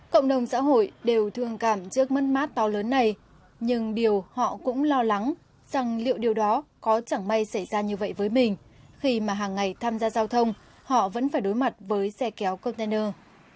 cộng đồng xã hội đều thương cảm trước mất mát to lớn này nhưng điều họ cũng lo lắng rằng liệu điều đó có chẳng may xảy ra như vậy với mình khi mà hàng ngày tham gia giao thông họ vẫn phải đối mặt với xe kéo container